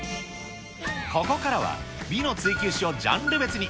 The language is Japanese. ここからは、美の追求史をジャンル別に。